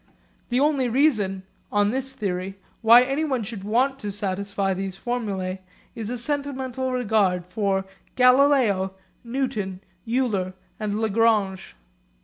The only reason on this theory why anyone should want to satisfy these formulae is a sentimental regard for Galileo, Newton, Euler and Lagrange.